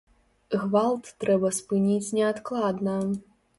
Гвалт трэба спыніць неадкладна!